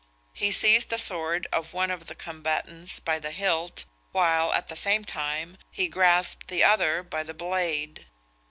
He seized the sword of one of the combatants by the hilt, while, at the same time, he grasped the other by the blade.